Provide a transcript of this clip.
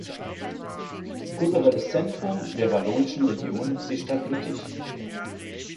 Kulturelles Zentrum der Wallonischen Region ist die Stadt Lüttich.